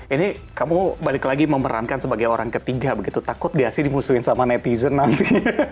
ini kamu balik lagi memerankan sebagai orang ketiga begitu takut gak sih dimusuhin sama netizen nanti